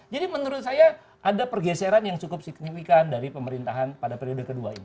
jadi menurut saya ada pergeseran yang cukup signifikan dari pemerintahan pada periode kedua ini